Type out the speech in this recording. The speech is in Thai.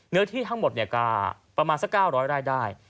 เนื้อที่ทั้งหมดประมาณสัก๙๐๐ไร่ได้